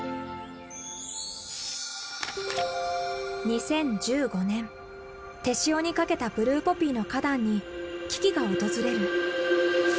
２０１５年手塩にかけたブルーポピーの花壇に危機が訪れる。